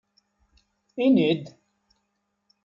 lni-d!